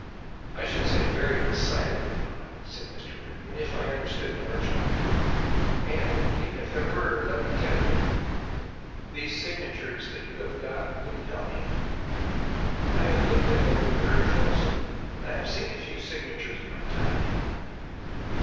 "I should say very decidedly not," said Mr. Britton, "if I understood Marchmont aright. And, even if there were, let me tell you, these signatures that you have got wouldn't help you. I have looked them over very closely and I have seen a few signatures in my time, you know.